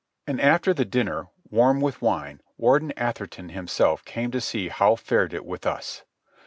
And after the dinner, warm with wine, Warden Atherton himself came to see how fared it with us.